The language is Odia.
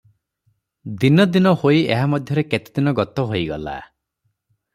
ଦିନ ଦିନ ହୋଇ ଏହାମଧ୍ୟରେ କେତେଦିନ ଗତ ହୋଇଗଲା ।